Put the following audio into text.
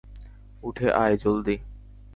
উঠে আয়, জলদি।